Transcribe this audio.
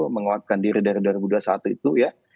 menguatkan diri dari dua ribu dua puluh satu itu ya